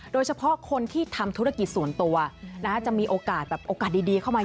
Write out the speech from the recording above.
โดยเฉพาะคนที่ทำธุรกิจส่วนตัวจะมีโอกาสแบบโอกาสดีเข้ามา